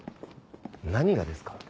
何がですか？